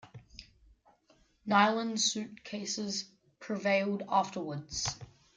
Nylon suitcases prevailed afterwards.